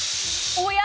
おや？